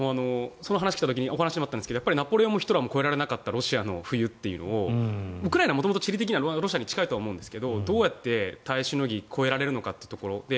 その話が来た時にお話にもあったんですがナポレオンもヒトラーも越えられなかったロシアの冬というのをウクライナは元々、地理的にはロシアに近いと思うんですがどうやって耐えしのぎ越えられるのかっていうところ。